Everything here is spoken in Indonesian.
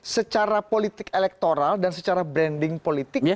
secara politik elektoral dan secara branding politik